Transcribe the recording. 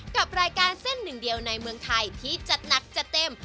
กับรายการเส้นหนึ่งเดียวในเมืองไทยที่จัดหนักจัดเต็ม